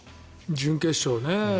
準決勝ね。